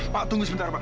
pak tunggu sebentar pak